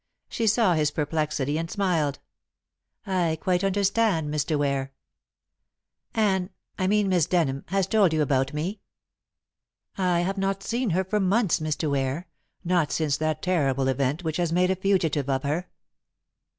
She saw his perplexity and smiled. "I quite understand, Mr. Ware." "Anne I mean Miss Denham has told you about me?" "I have not seen her for months, Mr. Ware, not since that terrible event which has made a fugitive of her."